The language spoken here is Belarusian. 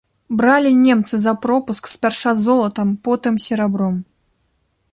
Бралі немцы за пропуск спярша золатам, потым серабром.